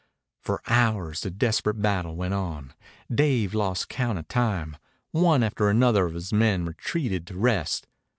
For hours the desperate battle went on. Dave lost count of time. One after another of his men retreated to rest.